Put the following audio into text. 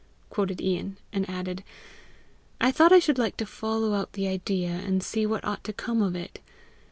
quoted Ian, and added, "I thought I should like to follow out the idea, and see what ought to come of it.